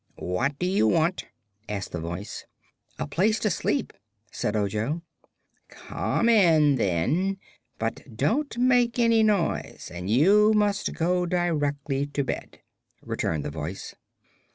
"What do you want?" asked the Voice. "A place to sleep," said Ojo. "Come in, then; but don't make any noise, and you must go directly to bed," returned the Voice.